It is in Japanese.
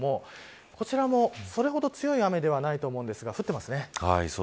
こちらも、それほど強い雨ではないんですが、降ってますね。